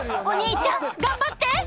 お兄ちゃん、頑張って！